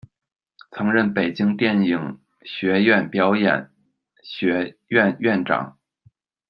曾任北京电影学院表演学院院长。